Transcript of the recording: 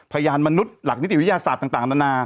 พยานมนุษย์หนิตวิทยาศาสตร์ทั้ง